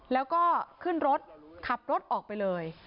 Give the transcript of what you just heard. แล้วก็ขึ้นรถขับรถออกไปเลย